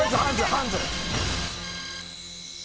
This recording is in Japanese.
ハンズ！